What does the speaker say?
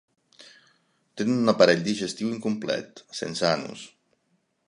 Tenen un aparell digestiu incomplet, sense anus.